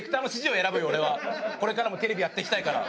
これからもテレビやっていきたいから。